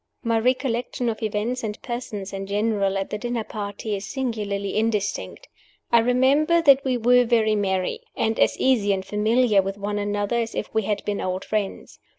My recollection of events and persons, in general, at the dinner party, is singularly indistinct. I remember that we were very merry, and as easy and familiar with one another as if we had been old friends.